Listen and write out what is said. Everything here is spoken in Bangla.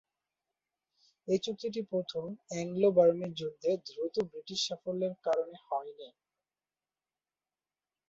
এই চুক্তিটি প্রথম অ্যাংলো-বার্মিজ যুদ্ধে দ্রুত ব্রিটিশ সাফল্যের কারণে হয়নি।